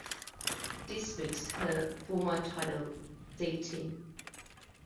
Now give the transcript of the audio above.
This makes her formal title "Datin".